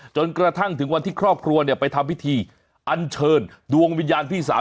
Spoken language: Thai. จนกระทั่งถึงวันที่ครอบครัวเนี่ยไปทำพิธีอันเชิญดวงวิญญาณพี่สาว